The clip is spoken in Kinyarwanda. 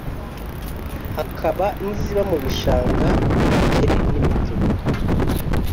hakaba n’iziba mu bishanga nkibikeri nimitubu